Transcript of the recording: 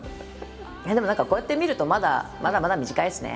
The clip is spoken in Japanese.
いやでも何かこうやって見るとまだまだ短いですね